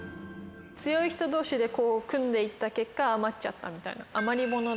強い人どうしでこう組んでいった結果、余っちゃったみたいな。